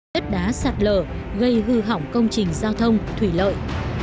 đất đá sạt lở gây hư hỏng công trình giao thông thủy lợi